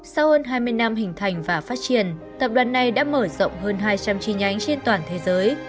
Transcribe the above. sau hơn hai mươi năm hình thành và phát triển tập đoàn này đã mở rộng hơn hai trăm linh chi nhánh trên toàn thế giới